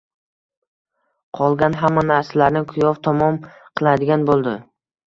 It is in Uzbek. Qolgan hamma narsalarni kuyov tomon qiladigan boʻldi.